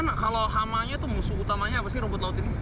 nah kalau hamanya itu musuh utamanya apa sih rumput laut ini